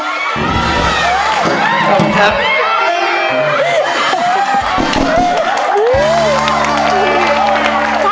ขอบคุณครับ